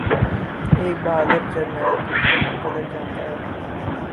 ایک بہادر جرنیل دوسرے کی قدر جانتا ہے